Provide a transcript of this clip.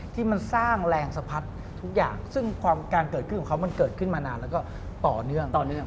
ที่มันสร้างแรงสะพัดทุกอย่างซึ่งความการเกิดขึ้นของเขามันเกิดขึ้นมานานแล้วก็ต่อเนื่องต่อเนื่อง